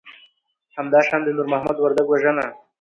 همدا شان د نور محمد وردک وژنه